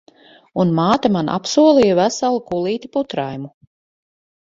Un māte man apsolīja veselu kulīti putraimu.